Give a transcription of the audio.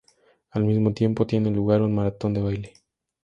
Al mismo tiempo, tiene lugar un maratón de baile.